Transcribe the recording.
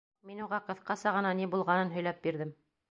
Мин уға ҡыҫҡаса ғына ни булғанын һөйләп бирҙем.